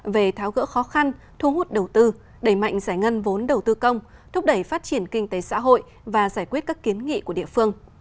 về tháo gỡ khó khăn thu hút đầu tư đẩy mạnh giải ngân vốn đầu tư công thúc đẩy phát triển kinh tế xã hội và giải quyết các kiến nghị của địa phương